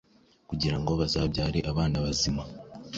kugirango bazabyare abana bazima